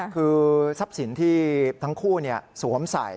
คือทรัพย์สินที่ทั้งคู่สวมใส่